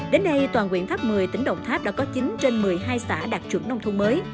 đến nay toàn quyện tháp một mươi tỉnh đồng tháp đã có chín trên một mươi hai xã đạt chuẩn nông thôn mới